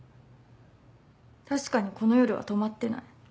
確かにこの夜は泊まってない。